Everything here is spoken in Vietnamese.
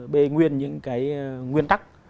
bê nguyên những cái nguyên tắc